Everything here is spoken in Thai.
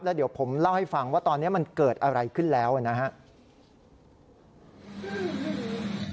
เดี๋ยวผมเล่าให้ฟังว่าตอนนี้มันเกิดอะไรขึ้นแล้วนะครับ